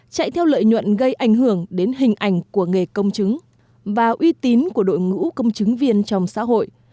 chạy theo lợi nhuận gây ảnh hưởng đến hình ảnh của nghề công chứng và uy tín của đội ngũ công chứng viên trong xã hội